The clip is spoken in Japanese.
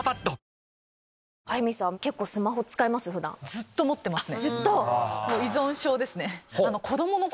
ずっと持ってますね。